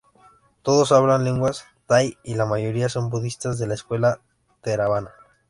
Todos hablan lenguas tai y la mayoría son budistas de la escuela Theravada.